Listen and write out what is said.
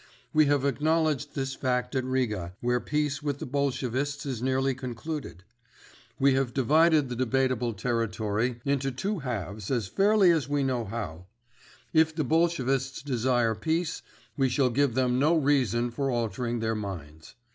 We have acknowledged this fact at Riga, where peace with the Bolshevists is nearly concluded. We have divided the debatable territory into two halves as fairly as we know how. If the Bolshevists desire peace, we shall give them no reason for altering their minds.